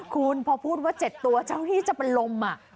คุณพอพูดว่า๗ตัวเจ้าที่จะเป็นลม